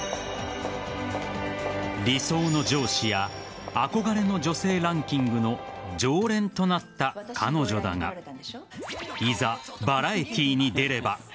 理想の上司や憧れの女性ランキングの常連となった彼女だがいざ、バラエティーに出れば。